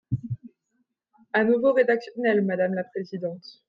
À nouveau rédactionnel, madame la présidente.